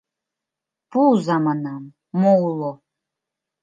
— Пуыза, — манам, — мо уло.